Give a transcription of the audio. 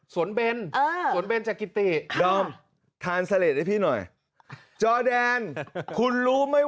สวนเบนเออสวนเบนจากกิตติค่ะทานให้พี่หน่อยคุณรู้ไหม